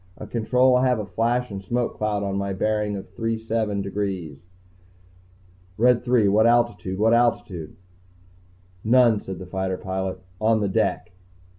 "Uh, Control, I have a flash and smoke cloud on a bearing of three seven degrees." "Red Three, what altitude? What altitude?" "None," said the fighter pilot. "On the deck."